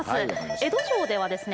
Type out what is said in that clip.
江戸城ではですね